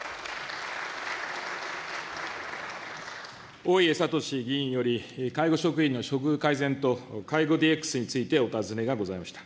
大家敏志議員より介護職員の処遇改善と、介護ＤＸについてお尋ねがございました。